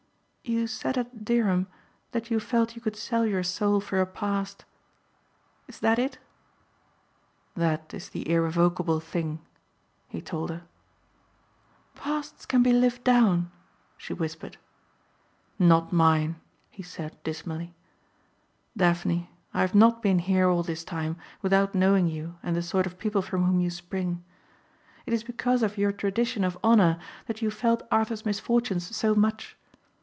"You said at Dereham that you felt you could sell your soul for a past. Is that it?" "That is the irrevocable thing," he told her. "Pasts can be lived down," she whispered. "Not mine," he said dismally. "Daphne I have not been here all this time without knowing you and the sort of people from whom you spring. It is because of your tradition of honor that you felt Arthur's misfortunes so much.